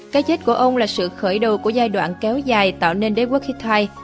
cái chết của ông là sự khởi đầu của giai đoạn kéo dài tạo nên đế quốc hittite